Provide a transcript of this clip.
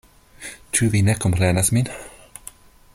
Ĉu vi ne komprenas min?